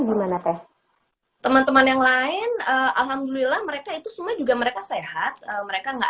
gimana teh teman teman yang lain alhamdulillah mereka itu semua juga mereka sehat mereka nggak